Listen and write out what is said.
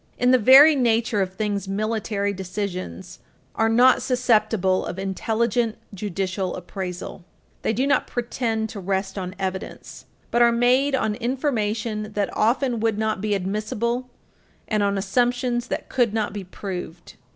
In the very nature of things, military decisions are not susceptible of intelligent judicial appraisal. They do not pretend to rest on evidence, but are made on information that often would not be admissible and on assumptions that could not be proved.